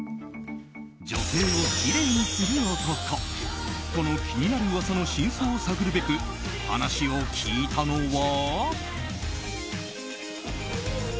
女性をきれいにする男この気になる噂の真相を探るべく話を聞いたのは。